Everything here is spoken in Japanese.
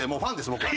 僕は。